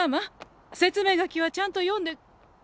説明書きはちゃんと読んで。